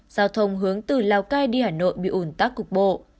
giao thông hướng từ lào cai đi hà nội bị ủn tắc cục bộ